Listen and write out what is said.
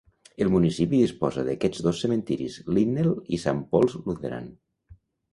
El municipi disposa d'aquests dos cementiris: Linnel i Saint Paul's Lutheran.